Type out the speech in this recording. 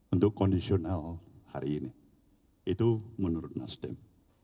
untuk kondisional hari ini itu menurut nasdem